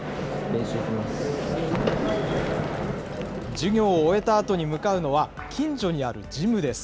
授業を終えたあとに向かうのは、近所にあるジムです。